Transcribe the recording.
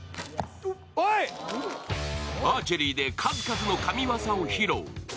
アーチェリーで数々の神技を披露。